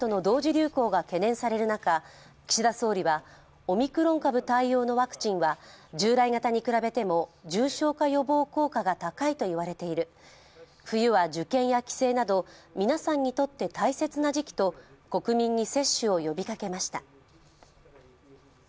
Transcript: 流行が懸念される中、岸田総理はオミクロン株対応のワクチンは従来型に比べても重症化予防効果が高いといわれている、冬は受験や帰省など皆さんにとって大切な時期と国民に接種を呼びかけました。